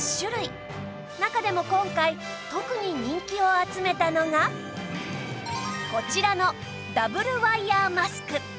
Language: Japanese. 中でも今回特に人気を集めたのがこちらのダブルワイヤーマスク